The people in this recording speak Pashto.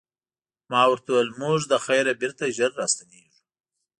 ما ورته وویل موږ له خیره بېرته ژر راستنیږو.